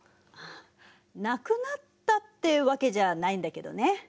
なくなったってわけじゃないんだけどね。